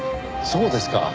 そうですか！